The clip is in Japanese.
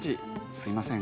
「すみません。